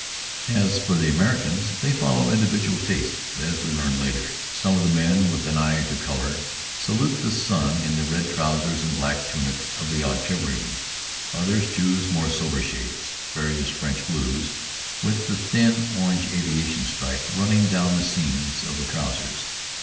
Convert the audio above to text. As for the Americans, they follow individual tastes, as we learned later. Some of them, with an eye to color, salute the sun in the red trousers and black tunic of the artilleryman. Others choose more sober shades, various French blues, with the thin orange aviation stripe running down the seams of the trousers.